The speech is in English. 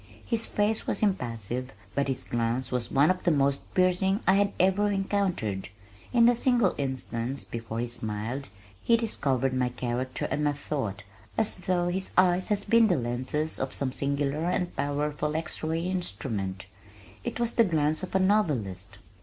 His face was impassive but his glance was one of the most piercing I had ever encountered. In the single instant before he smiled he discovered my character and my thought as though his eyes had been the lenses of some singular and powerful x ray instrument. It was the glance of a novelist.